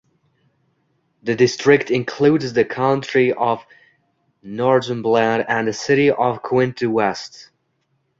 The district includes the County of Northumberland and the City of Quinte West.